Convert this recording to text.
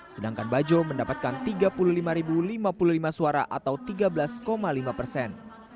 sedangkan bajo mendapatkan tiga puluh lima lima puluh lima suara atau tiga belas lima persen